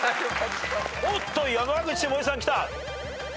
おっと山口もえさんきた！